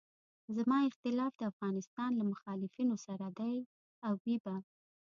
زما اختلاف د افغانستان له مخالفینو سره دی او وي به.